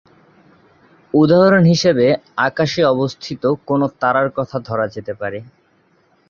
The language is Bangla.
উদাহরণ হিসেবে আকাশে অবস্থিত কোনও তারার কথা ধরা যেতে পারে।